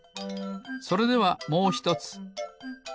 それではもうひとつ。